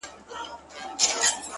• ستا د غواوو دي تېره تېره ښکرونه ,